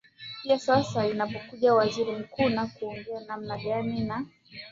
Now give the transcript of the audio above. pia sasa anapokuja waziri mkuu na kuongea namna gan na na